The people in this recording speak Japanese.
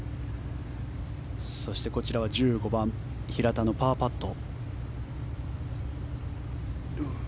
そしてこちらは１５番平田のパーパット。